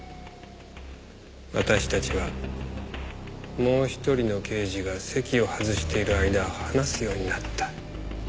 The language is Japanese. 私たちはもう１人の刑事が席を外している間話すようになった。